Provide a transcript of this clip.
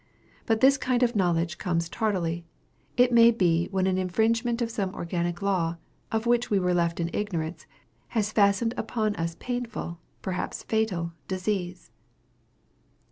But this kind of knowledge comes tardily; it may be when an infringement of some organic law, of which we were left in ignorance, has fastened upon us painful, perhaps fatal, disease.